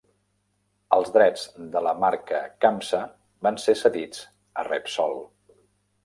Els drets de la marca Campsa van ser cedits a Repsol.